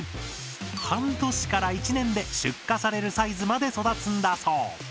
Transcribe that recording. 半年から１年で出荷されるサイズまで育つんだそう。